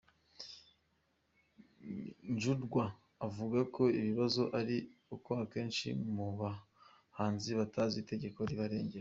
Njunwa, avuga ko ikibazo ari uko benshi mu bahanzi batazi itegeko ribarengera.